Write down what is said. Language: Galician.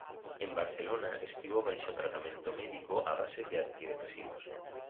En Barcelona estivo baixo tratamento médico a base de antidepresivos.